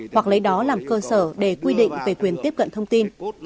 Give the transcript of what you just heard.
hoặc lấy đó làm cơ sở để quy định về quyền tiếp cận thông tin